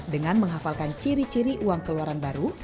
dengan menghafalkan ciri ciri uang keluaran baru